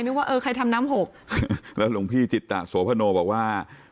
ว่าเออใครทำน้ำหกแล้วหลวงพี่จิตตะโสพโนบอกว่า